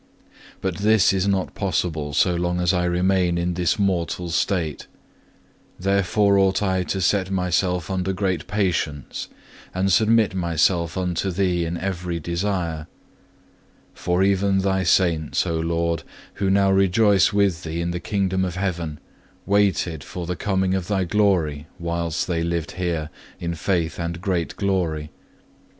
But this is not possible, so long as I remain in this mortal state. Therefore ought I to set myself unto great patience, and submit myself unto Thee in every desire. For even Thy Saints, O Lord, who now rejoice with Thee in the kingdom of heaven, waited for the coming of Thy glory whilst they lived here, in faith and great glory.